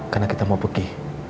karena kita mau pergi